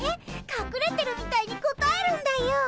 かくれてるみたいに答えるんだよ。